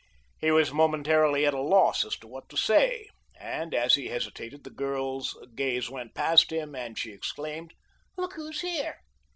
He was momentarily at a loss as to what to say, and as he hesitated the girl's gaze went past him and she exclaimed: "Look who's here!"